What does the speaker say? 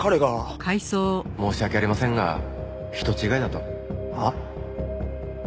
申し訳ありませんが人違いだと。はあ？